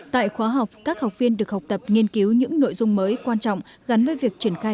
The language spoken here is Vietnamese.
tại khóa học các học viên được học tập nghiên cứu những nội dung mới quan trọng gắn với việc triển khai